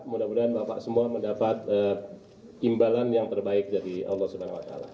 mudah mudahan bapak semua mendapat imbalan yang terbaik dari allah swt